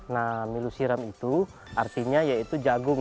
nah milu siram itu artinya yaitu jagung